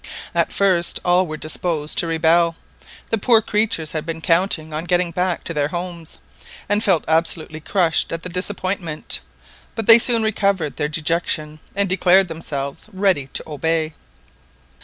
At first all were disposed to rebel, the poor creatures had been counting on getting back to their homes, and felt absolutely crushed at the disappointment, but they soon recovered their dejection and declared themselves ready to obey.